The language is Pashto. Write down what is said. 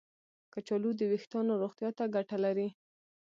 کچالو د ویښتانو روغتیا ته ګټه لري.